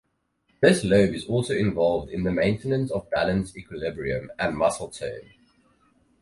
This lobe is also involved in the maintenance of balance equilibrium and muscle tone.